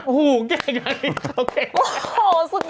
โอ้โฮแกกลับเลย